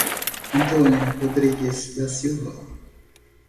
Antônia Rodrigues da Silva